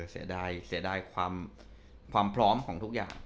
เสียดายความพร้อมของทุกอย่าง